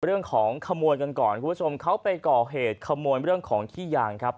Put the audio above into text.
เรื่องของขโมยกันก่อนคุณผู้ชมเขาไปก่อเหตุขโมยเรื่องของขี้ยางครับ